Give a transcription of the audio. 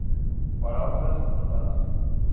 Para otras, no tanto.